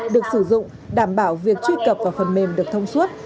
được sử dụng đảm bảo việc truy cập vào phần mềm được thông suốt